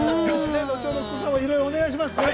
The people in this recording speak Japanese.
後ほどいろいろお願いします。